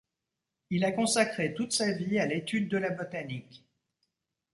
Il a consacré toute sa vie à l’étude de la botanique.